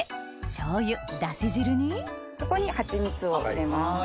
醤油だし汁にここにハチミツを入れます。